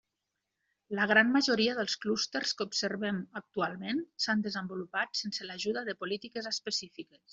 La gran majoria dels clústers que observem actualment s'han desenvolupat sense l'ajuda de polítiques específiques.